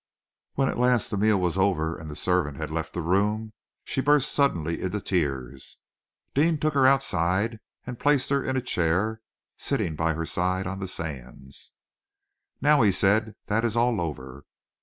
When at last the meal was over and the servant had left the room, she burst suddenly into tears. Deane took her outside and placed her in a chair, sitting by her side on the sands. "Now," he said, "that is all over."